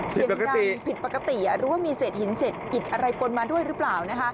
เสียงดังผิดปกติหรือว่ามีเศษหินเศษกิจอะไรปนมาด้วยหรือเปล่า